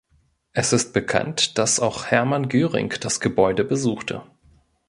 Es ist bekannt, dass auch Hermann Göring das Gebäude besuchte.